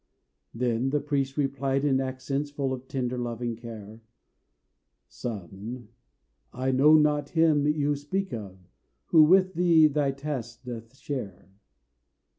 Then the priest replied in accents Full of tender, loving care "Son, I know not him you speak of Who with thee thy task doth share."